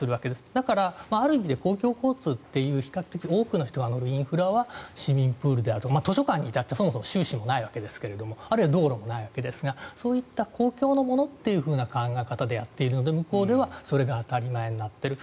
だから、ある意味で公共交通という比較的多くの人が乗る乗るインフラは市民プールであると図書館に至っては収支もないわけですけどあるいは道路もないわけですがそういった公共のものという考え方でやっているので向こうではそれが当たり前になっている。